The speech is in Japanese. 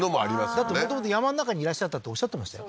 だってもともと山の中にいらっしゃったっておっしゃってましたよ